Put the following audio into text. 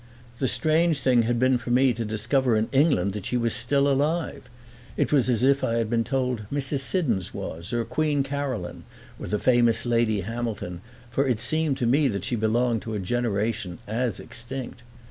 The strange thing had been for me to discover in England that she was still alive: it was as if I had been told Mrs. Siddons was, or Queen Caroline, or the famous Lady Hamilton, for it seemed to me that she belonged to a generation as extinct.